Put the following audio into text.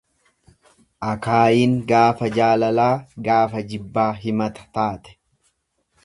Akaayiin gaafa jaalalaa gaafa jibbaa himata taate.